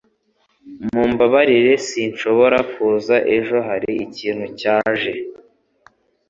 Mumbabarire sinshobora kuza ejo. Hari ikintu cyaje.